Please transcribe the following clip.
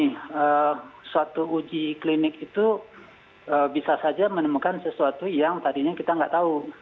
nah suatu uji klinik itu bisa saja menemukan sesuatu yang tadinya kita nggak tahu